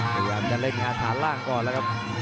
พยายามจะเล่นงานฐานล่างก่อนแล้วครับ